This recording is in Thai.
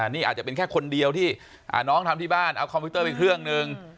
นี่อาจจะเป็นแค่คนเดียวที่น้องทำที่บ้านเอาคอมพิวเตอร์ไปเครื่องหนึ่ง